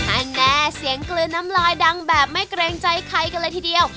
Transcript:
ให้แน่เสียงกลืนน้ำลายดังแบบไม่เกรงใจใครกันเลยทีเดียว